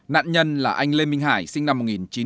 nạn nhân là anh lê minh hải sinh năm một nghìn chín trăm tám mươi